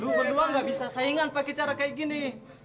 lu berdua nggak bisa saingan pakai cara kayak gini